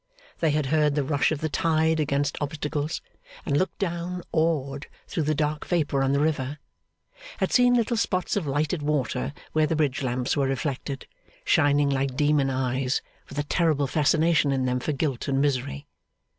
They had heard the rush of the tide against obstacles; and looked down, awed, through the dark vapour on the river; had seen little spots of lighted water where the bridge lamps were reflected, shining like demon eyes, with a terrible fascination in them for guilt and misery.